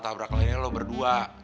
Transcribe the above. tabrak lo berdua